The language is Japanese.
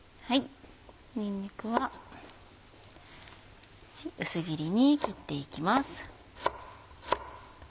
にんにくは薄切りに切っていきます。